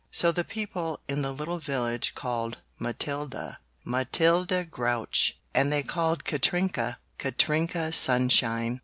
So the people in the little village called Matilda "Matilda Grouch" and they called Katrinka "Katrinka Sunshine".